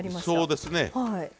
そうですね。